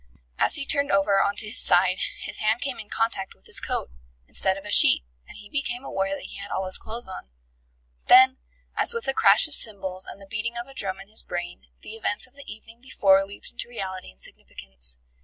As he turned over on to his side his hand came in contact with his coat, instead of a sheet, and he became aware that he had all his clothes on. Then, as with a crash of cymbals and the beating of a drum in his brain, the events of the evening before leaped into reality and significance.